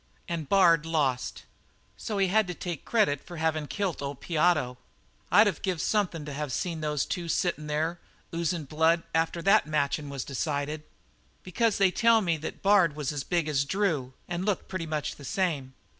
"And Bard lost. So he had to take the credit of havin' killed old Piotto. I'd of give something to have seen the two of 'em sittin' there oozin' blood after that marchin' was decided. Because they tell me that Bard was as big as Drew and looked pretty much the same.